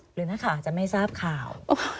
หรือนักข่าวจะไม่ทราบข่าว